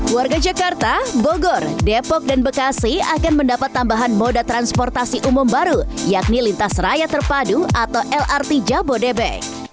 warga jakarta bogor depok dan bekasi akan mendapat tambahan moda transportasi umum baru yakni lintas raya terpadu atau lrt jabodebek